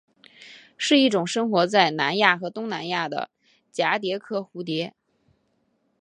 是一种生活在南亚和东南亚的蛱蝶科蝴蝶。